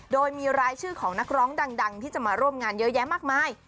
โดยมีรายชื่อของนักร้องดังที่จะมาร่วมงานเยอะแยะมากมาย